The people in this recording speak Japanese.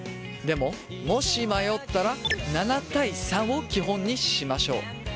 でももし迷ったら７対３を基本にしましょう。